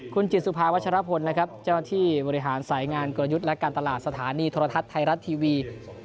คุณจิตสุภาวัชรพลนะครับเจ้าหน้าที่บริหารสายงานกลยุทธ์และการตลาดสถานีโทรทัศน์ไทยรัฐทีวี